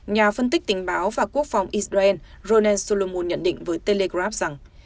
nhà phân tích tình báo và quốc phòng israel ronen solomon nhận định với telegraph rằng